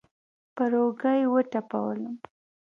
پر اوږه يې وټپولم.